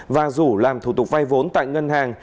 và rủ làm thủ tục vay vốn tại ngân hàng